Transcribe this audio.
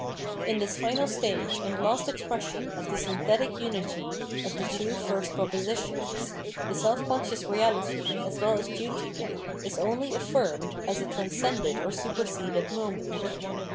In this final stage and last expression of the sjmthetic xmity of the two first propositions, the self conscious reality, as well as duty, is only affirmed as a tran scended or superseded moment.